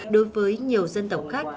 đối với nhiều dân tộc khác